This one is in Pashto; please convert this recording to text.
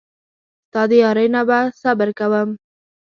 ستا د یارۍ نه به صبر کوم.